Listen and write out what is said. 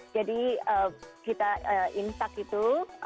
jadi kita instak itu